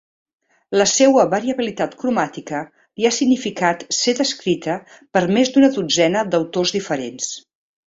La seua variabilitat cromàtica li ha significat ser descrita per més d'una dotzena d'autors diferents.